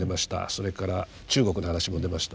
それから中国の話も出ました。